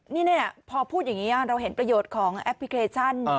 นี่พอพูดอย่างนี้เราเห็นประโยชน์ของแอปพลิเคชัน